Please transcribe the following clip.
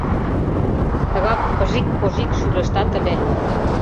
— Тыгак кыжик-кожик шӱлештат ыле.